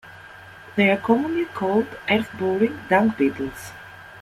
They are commonly called earth-boring dung beetles.